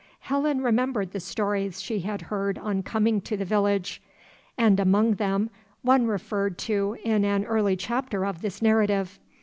Helen remembered the stories she had heard on coming to the village, and among them one referred to in an early chapter of this narrative.